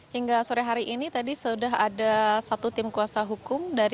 hingga sore hari ini tadi sudah ada satu tim kuasa hukum